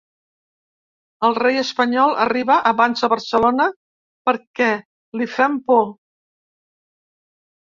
El rei espanyol arriba abans a Barcelona perquè li fem por.